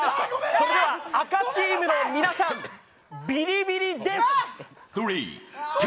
それでは、赤チームの皆さんビリビリです！